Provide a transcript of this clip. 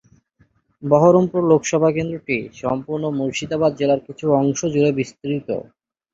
বহরমপুর লোকসভা কেন্দ্রটি সম্পূর্ণ মুর্শিদাবাদ জেলার কিছু অংশ জুড়ে বিস্তৃত।